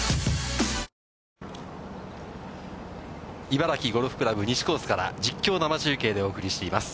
茨城ゴルフ倶楽部西コースから実況生中継でお送りしています。